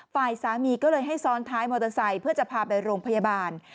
ฝ่ายสามีก็เลยให้ซ้อนท้ายมอเตอร์ไซค์เพื่อจะพาไปโรงพยาบาล